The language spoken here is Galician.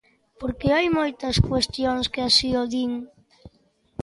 Porque hai moitas cuestións que así o din.